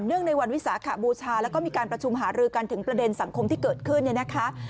ในวันวิสาขบูชาแล้วก็มีการประชุมหารือกันถึงประเด็นสังคมที่เกิดขึ้นเนี่ยนะคะ